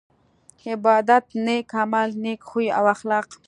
عبادت نيک عمل نيک خوي او اخلاق